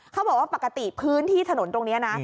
เขาบอกว่าปกติพื้นที่ถนนตรงนี้นะ